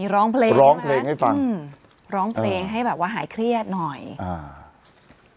ร้องเพลงร้องเพลงให้ฟังอืมร้องเพลงให้แบบว่าหายเครียดหน่อยอ่า